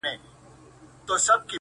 دغه نجلۍ نن و هيندارې ته موسکا ورکوي!